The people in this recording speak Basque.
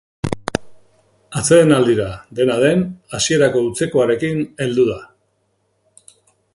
Atsedenaldira, dena den, hasierako hutsekoarekin heldu da.